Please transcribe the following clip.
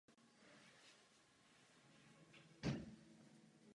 Znovu prokázal schopnost snést velké poškození a následné bezpečné přistání.